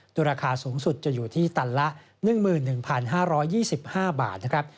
โดยราคาสูงสุดจะอยู่ที่ตันละ๑๑๕๒๕บาทนะครับ